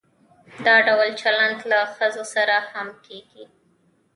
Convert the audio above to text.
دا ډول چلند له ښځو سره هم کیږي.